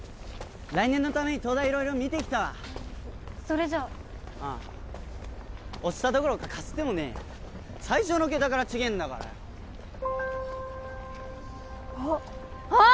来年のために東大色々見てきたわそれじゃあああ落ちたどころかかすってもねえよ最初の桁から違えんだからよあっあっ！